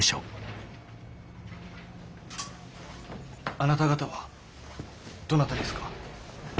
あなた方はどなたですか？